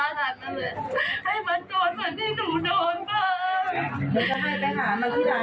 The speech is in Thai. มันจะให้แม่หามาที่ไหนแล้วจะให้แม่ไปหามาที่ไหน